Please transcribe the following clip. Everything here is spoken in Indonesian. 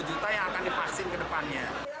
dua juta yang akan divaksin ke depannya